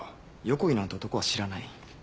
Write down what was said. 横井なんて男は知らない。